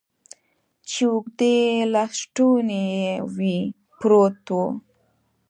چې اوږدې لستوڼي یې وې، پروت و.